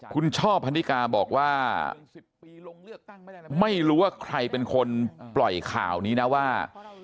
คุณช่อพันนิกาบอกว่าไม่รู้ว่าใครเป็นคนปล่อยข่าวนี้นะว่า